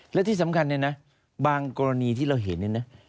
และที่สำคัญเนี่ยนะบางกรณีที่เราเห็นเนี่ยนะ